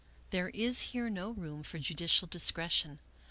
There is here no room for judicial discretion.